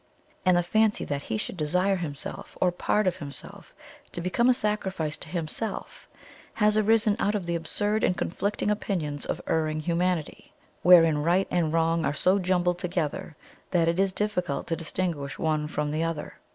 And the fancy that He should desire Himself or part of Himself to become a sacrifice to Himself has arisen out of the absurd and conflicting opinions of erring humanity, wherein right and wrong are so jumbled together that it is difficult to distinguish one from the other.